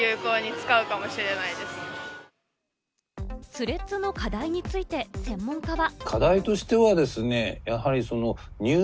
スレッズの課題について、専門家は。